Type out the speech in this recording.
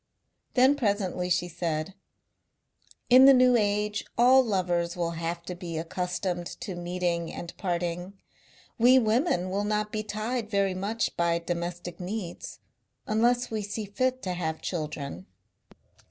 Then presently she said: "In the New Age all lovers will have to be accustomed to meeting and parting. We women will not be tied very much by domestic needs. Unless we see fit to have children.